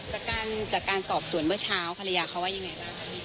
จากการจากการสอบสวนเมื่อเช้าภรรยาเขาว่ายังไงบ้าง